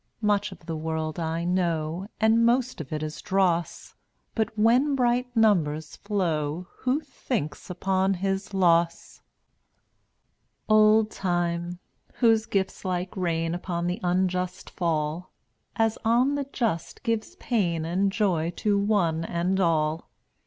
Much of the world I know And most of it is dross, But when bright numbers flow Who thinks upon his loss ! 175 Old Time, whose gifts like rain Upon the unjust fall, As on the just, gives pain And joy to one and all.